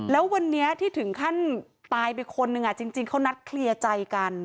แล้ววันนี้ที่ถึงขั้นตายไปคนนึงจริงเขานัดเคลียร์ใจกัน